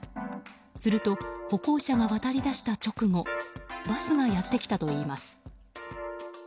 すると歩行者が渡り出した直後バスがやってきたといいます。